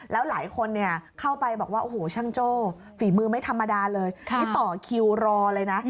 แล้วหลายคนเข้าไปบอกว่าโอ้โหช่างโจ้ฝีมือไม่ธรรมดาเลยนี่ต่อคิวรอเลยนะ